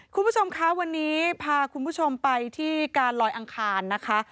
คุณผู้ชมคะวันนี้พาคุณผู้ชมไปที่การลอยอังคารนะคะ